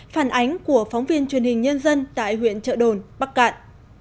phản ánh của phóng viên truyền hình nhân dân tại huyện trợ đồn bắc cạn